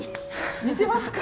似てますか？